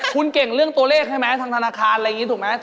คุณเก่งเรื่องตัวเลขใช่ไหมทางธนาคารอะไรอย่างนี้ถูกไหม